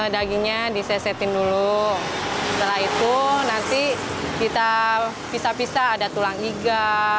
dagingnya disesetin dulu setelah itu nanti kita pisah pisah ada tulang iga